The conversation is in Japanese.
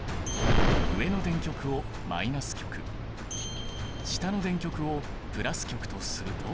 上の電極をマイナス極下の電極をプラス極とすると。